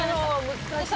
難しい。